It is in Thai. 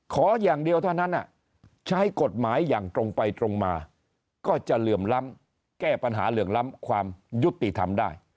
ขออย่างเดียวเท่านั้นใช้กฎหมายอย่างตรงไปตรงมาก็จะเหลื่อมล้ำแก้ปัญหาเหลื่อมล้ำความยุติธรรมได้